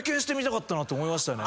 て思いましたね。